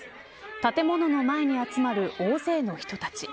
建物の前に集まる大勢の人たち。